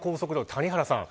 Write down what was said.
谷原さん